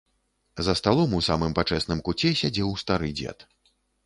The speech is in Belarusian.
За сталом у самым пачэсным куце сядзеў стары дзед.